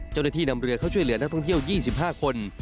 เจ้าหน้าที่นำเรือเข้าช่วยเหลือนักท่องเที่ยว๒๕คน